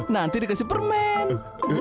nanti dikasih permen